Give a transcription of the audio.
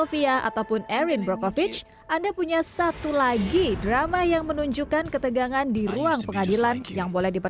serial berjudul for life